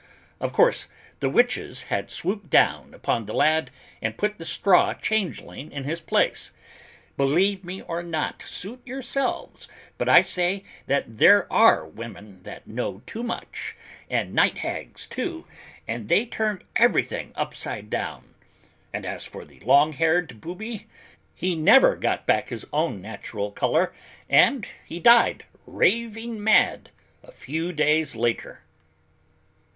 Of course the witches had swooped down upon the lad and put the straw changeling in his place! Believe me or not, suit yourselves, but I say that there are women that know too much, and night hags, too, and they turn everything upside down! And as for the long haired booby, he never got back his own natural color and he died, raving mad, a few days later."